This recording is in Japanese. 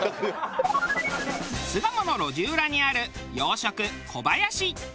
巣鴨の路地裏にある洋食小林。